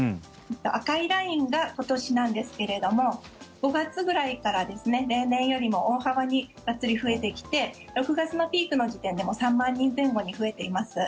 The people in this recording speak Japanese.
赤いラインが今年なんですけれども５月くらいから例年よりも大幅にがっつり増えてきて６月のピークの時点で３万人前後に増えています。